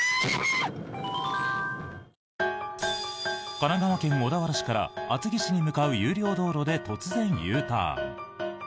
神奈川県小田原市から厚木市に向かう有料道路で突然、Ｕターン。